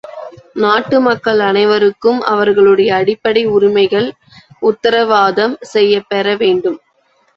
நாட்டு மக்கள் அனைவருக்கும் அவர்களுடைய அடிப்படை உரிமைகள் உத்தரவாதம் செய்யப் பெற வேண்டும்.